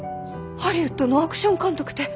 ハリウッドのアクション監督て！